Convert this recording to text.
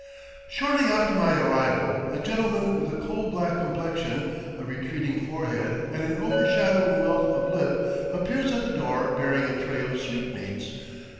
Shortly after my arrival, a gentleman with a coal black complexion, a retreating forehead, and an overshadowing wealth of lip appears at the door bearing a tray of sweetmeats.